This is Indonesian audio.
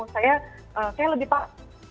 saya saya lebih paham